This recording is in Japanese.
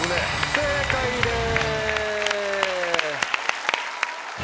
正解です！